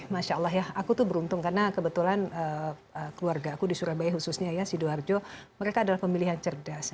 masya allah ya aku tuh beruntung karena kebetulan keluarga aku di surabaya khususnya ya sidoarjo mereka adalah pemilihan cerdas